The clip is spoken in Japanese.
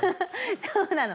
そうなの。